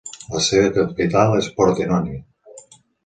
La seva capital és Pordenone.